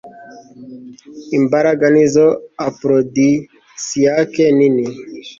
Imbaraga nizo aprodisiac nini